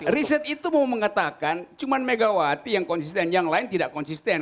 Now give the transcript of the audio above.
riset itu mau mengatakan cuma megawati yang konsisten yang lain tidak konsisten